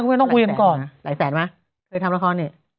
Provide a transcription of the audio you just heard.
กูไม่ต้องก่อนไหลแสนมาเคยทำระครนี่